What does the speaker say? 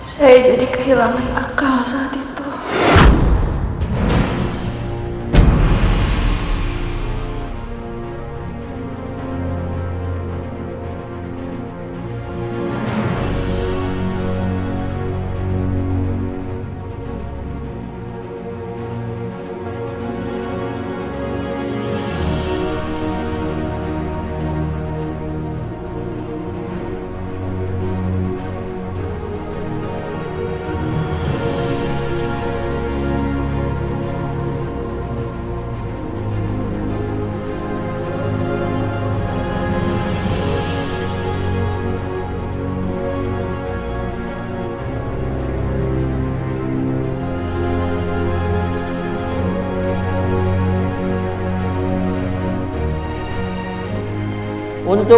saya jadi kehilangan akal saat itu